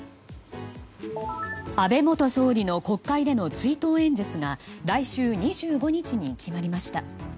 安倍元総理の国会での追悼演説が来週２５日に決まりました。